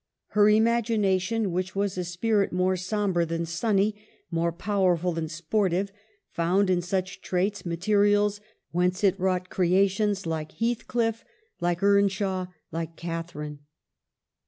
Her imagination, which was a spirit more sombre than sunny, more pow erful than sportive, found in such traits materials whence it wrought creations like Heathcliff, like Earnshaw, like Catharine.